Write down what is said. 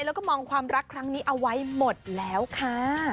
แล้วก็มองความรักครั้งนี้เอาไว้หมดแล้วค่ะ